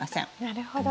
なるほど。